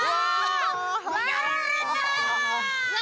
うわ！